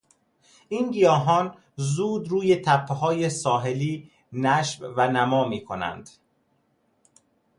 این گیاهان زود روی تپههای ساحلی نشو و نما میکنند.